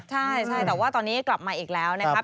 ใช่แต่ว่าตอนนี้กลับมาอีกแล้วนะครับ